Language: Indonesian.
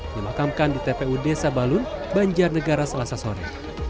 dimakamkan di tpu desa balun banjar negara selasa sore